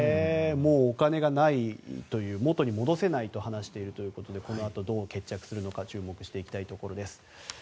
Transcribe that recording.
お金がないという元に戻せないと話しているということでこのあとどう決着するのか注目していきたいところです。